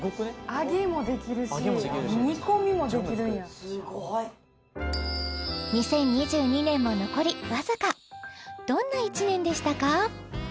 揚げもできるし煮込みもできるんや２０２２年も残りわずかどんな１年でしたか？